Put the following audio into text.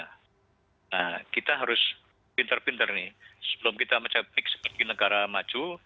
nah kita harus pinter pinter nih sebelum kita mencapai pix sebagai negara maju